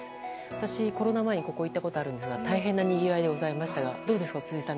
私、コロナ前にここ行ったことあるんですが大変なにぎわいでございましたが辻さん、どうですか？